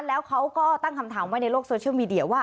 แล้วเขาก็ตั้งคำถามไว้ในโลกโซเชียลมีเดียว่า